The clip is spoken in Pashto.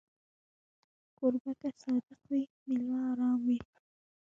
کوربه که صادق وي، مېلمه ارام وي.